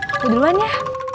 aku duluan ya